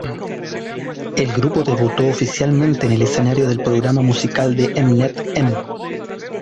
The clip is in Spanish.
El grupo debutó oficialmente en el escenario del programa musical de Mnet "M!